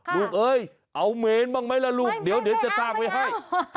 เอ้ยเอาเมนบ้างไหมล่ะลูกเดี๋ยวจะสร้างไว้ให้